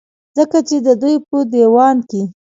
ځکه چې د دوي پۀ ديوان کې